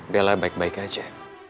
bella baik baik aja